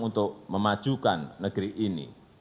untuk memajukan negeri ini